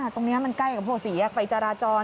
ตรงนี้มันใกล้กับหัวศรียักษ์ไฟจาราจร